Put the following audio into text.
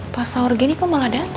pas sahur gini kok malah dateng ya